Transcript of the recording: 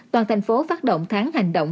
toàn thành phố phát động tháng hành động